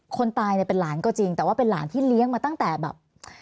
คนตายเนี่ยเป็นหลานก็จริงแต่ว่าเป็นหลานที่เลี้ยงมาตั้งแต่แบบ